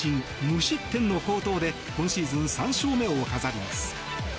無失点の好投で今シーズン３勝目を飾ります。